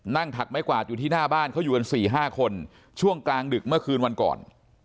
ถักไม้กวาดอยู่ที่หน้าบ้านเขาอยู่กัน๔๕คนช่วงกลางดึกเมื่อคืนวันก่อน